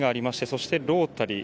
そしてロータリー